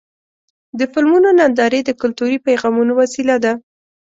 د فلمونو نندارې د کلتوري پیغامونو وسیله ده.